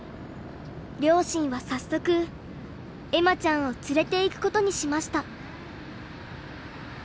両親は早速恵麻ちゃんを連れていくことにしました。